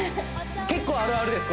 結構あるあるです